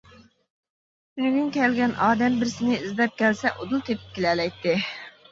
تۈنۈگۈن كەلگەن ئادەم بىرسىنى ئىزدەپ كەلسە ئۇدۇل تېپىپ كېلەلەيتتى.